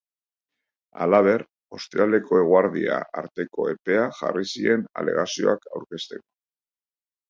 Halaber, ostiralekoeguerdia arteko epea jarri zien alegazioak aurkezteko.